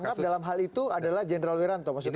pangap dalam hal itu adalah general wiranto maksud anda